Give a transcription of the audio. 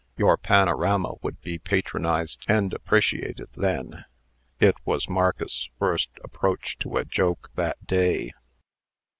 "Your panorama would be patronized and appreciated then." It was Marcus's first approach to a joke that day.